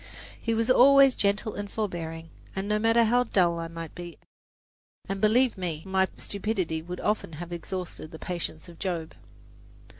He was always gentle and forbearing, no matter how dull I might be, and believe me, my stupidity would often have exhausted the patience of Job.